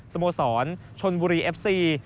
สโมสรชนบุรีเอฟซี